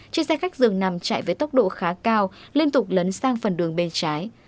trên xe khách dương nằm chạy với tốc độ khá cao liên tục lấn sang phần đường bên trái